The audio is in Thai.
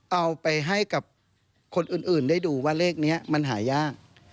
เอาไปให้กับคนอื่นได้ดูว่าเลขนี้มันหายาก